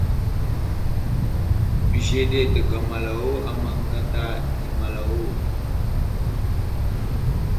Bəzeɗe təgamalawo a maŋ gata i malawo.